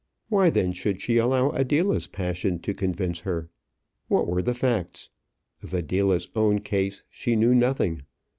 Why then should she allow Adela's passion to convince her? What were the facts? Of Adela's own case she knew nothing.